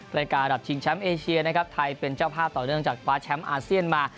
ระดับชิงแชมป์เอเชียนะครับไทยเป็นเจ้าภาพต่อเนื่องจากคว้าแชมป์อาเซียนมา